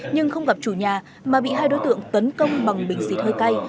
nhưng không gặp chủ nhà mà bị hai đối tượng tấn công bằng bình xịt hơi cay